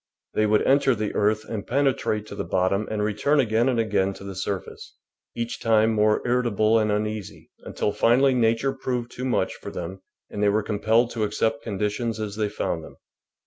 They would enter the earth and penetrate to the bottom and return again and again to the surface, each time more irritable and uneasy, until finally Nature proved too much for them and they were compelled to accept condi tions as they found them.